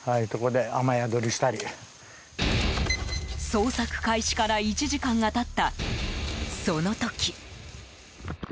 捜索開始から１時間が経った、その時。